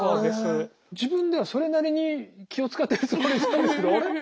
自分ではそれなりに気を遣ってるつもりなんですけどあれ？